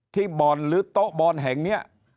บ่อนหรือโต๊ะบอลแห่งนี้